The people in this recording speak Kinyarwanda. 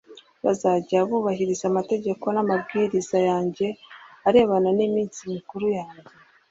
Bazajye bubahiriza amategeko n amabwiriza yanjye arebana n iminsi mikuru yanjye